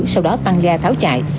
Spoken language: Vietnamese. sau đó tăng ga tháo chạy